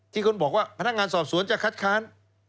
ที่คุณบอกว่าพนักงานสอบสวนจะคัดค้าน